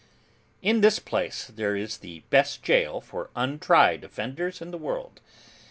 In this place, there is the best jail for untried offenders in the world.